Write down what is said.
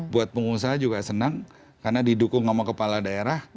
buat pengusaha juga senang karena didukung sama kepala daerah